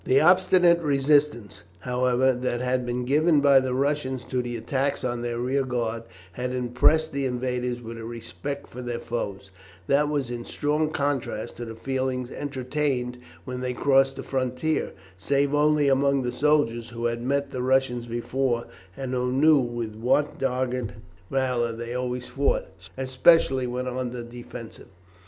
The obstinate resistance, however, that had been given by the Russians to the attacks on their rear guard had impressed the invaders with a respect for their foes, that was in strong contrast to the feeling entertained when they crossed the frontier, save only among the soldiers who had met the Russians before, and who knew with what dogged valour they always fought, especially when on the defensive.